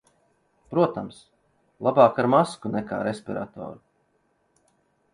Protams, labāk ar masku nekā respiratoru.